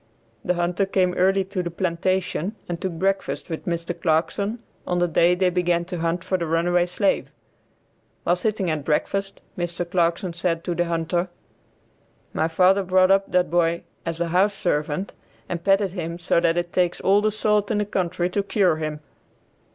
The hunter came early to the plantation and took breakfast with Mr. Clarkson on the day they began to hunt for the runaway slave. While sitting at breakfast, Mr. Clarkson said to the hunter, "My father brought up that boy as a house servant, and petted him so that it takes all the salt in the country to cure him.